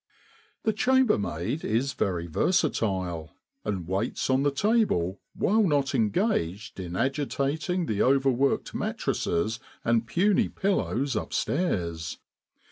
The chambermaid is very versatile, and waits on the table while not engaged in agitating the overworked mattresses and puny pillows upstairs.